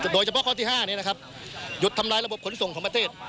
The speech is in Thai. โดยเฉพาะข้อที่๕นี้นะครับหยุดทำลายระบบขนส่งของประเทศ